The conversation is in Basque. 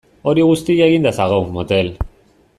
Hori guztia eginda zagok motel!